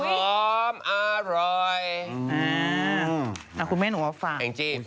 รสชาติกลับขอมาฝากเลย